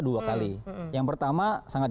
dua kali yang pertama sangat